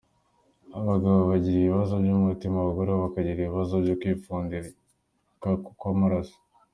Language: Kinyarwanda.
Abagabo bagira ibibazo by’umutima, abagore bo bakagira ibibazo byo kwipfundika kw’amaraso.